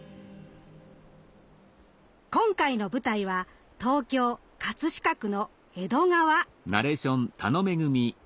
今回の舞台は東京飾区の江戸川。